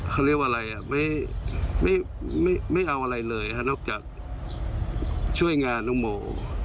เขาเรียกว่าอะไรไม่เอาอะไรเลยนอกจากช่วยงานน้องโม